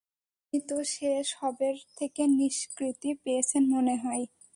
আপনি তো সে সবের থেকে নিষ্কৃতি পেয়েছেন মনে হয়।